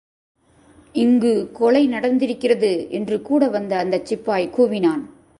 இங்கு கொலை நடந்திருக்கிறது! என்று கூட வந்த அந்தச் சிப்பாய் கூவினான்.